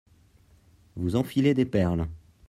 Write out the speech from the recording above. Vous enfilez des perles.